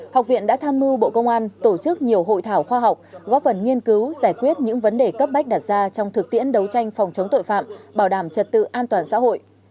học viện đã tham mưu bộ công an tổ chức nhiều hội thảo khoa học góp phần nghiên cứu giải quyết những vấn đề cấp bách đặt ra trong thực tiễn đấu tranh phòng chống tội phạm bảo đảm trật tự an toàn xã hội